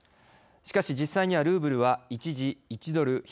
しかし、実際にはルーブルは一時１ドル１５０